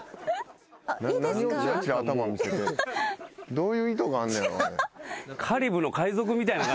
どういう意図があんのやろ。